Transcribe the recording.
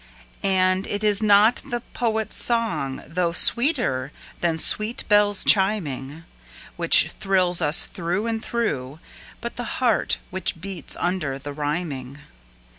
And it is not the poet's song, though sweeter than sweet bells chiming, Which thrills us through and through, but the heart which beats under the rhyming.